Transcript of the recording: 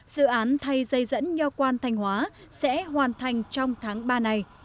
dự án thay dây dẫn nho quan thanh hóa sẽ hoàn thành trong tháng ba này